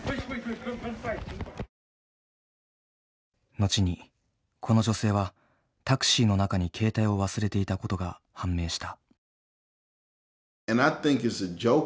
後にこの女性はタクシーの中に携帯を忘れていたことが判明した。